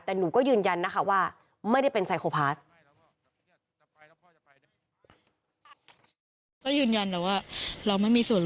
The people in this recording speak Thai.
แต่หนูก็ยืนยันนะคะว่าไม่ได้เป็นไซโครพาส